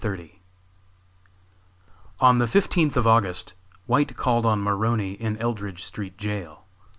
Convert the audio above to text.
_ On the fifteenth of August, White called on Maroney in Eldridge street jail.